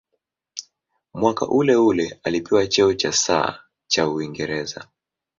Mwaka uleule alipewa cheo cha "Sir" cha Uingereza.